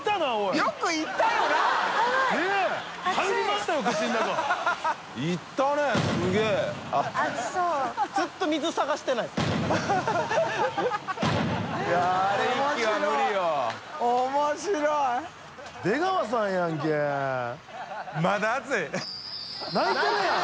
田渕）泣いてるやん！